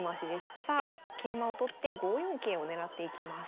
さあ桂馬を取って５四桂を狙っていきます。